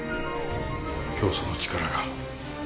教祖の力が。